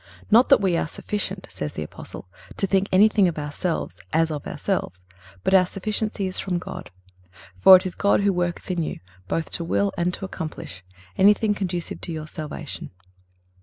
"Not that we are sufficient," says the Apostle, "to think anything of ourselves, as of ourselves; but our sufficiency is from God."(325) "For it is God who worketh in you, both to will and to accomplish"(326) anything conducive to your salvation.